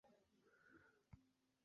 Кожны мае права на жыццё.